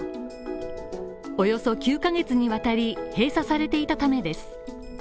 およそ９ヶ月にわたり閉鎖されていたためです。